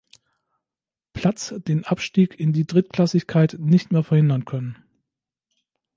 Platz den Abstieg in die Drittklassigkeit nicht mehr verhindern können.